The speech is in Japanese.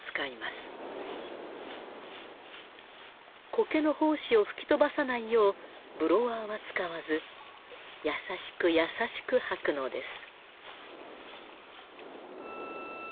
苔の胞子を吹き飛ばさないようブロワーは使わずやさしくやさしく掃くのです。